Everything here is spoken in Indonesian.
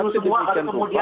saya jadi bingung juga ya